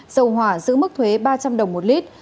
dầu hỏa giữ mức thuế ba trăm linh đồng một lít